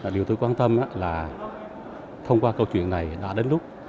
điều tôi quan tâm là thông qua câu chuyện này đã đến lúc